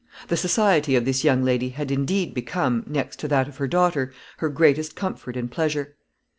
The society of this young lady had indeed become, next to that of her daughter, her greatest comfort and pleasure.